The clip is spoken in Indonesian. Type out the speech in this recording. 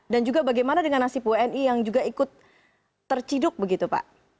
dan juga bagaimana dengan nasib wni yang juga ikut terciduk begitu pak